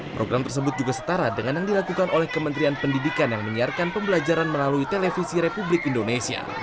program tersebut juga setara dengan yang dilakukan oleh kementerian pendidikan yang menyiarkan pembelajaran melalui televisi republik indonesia